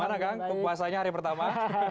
gimana kang kepuasanya hari pertama